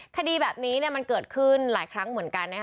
คดีแบบนี้มันเกิดขึ้นหลายครั้งเหมือนกันนะคะ